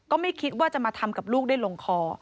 ก็ไม่คิดว่าจะมาทำกับลูกได้ลงคอ